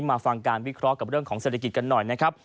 มาฟังการวิเคราะห์กับเรื่องของเศรษฐกิจกันหน่อยนะครับ